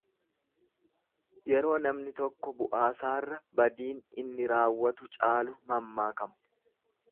Yeroo namni tokko bu'aasaarra badiin inni raawwatu caalu mammaakama.